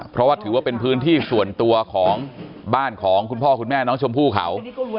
เพราะว่าถือว่าเป็นพื้นที่ส่วนตัวของบ้านของคุณพ่อคุณแม่น้องชมพู่เขา